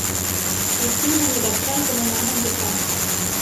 Itu menyebabkan kemenangan Jepang.